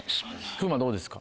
風磨どうですか？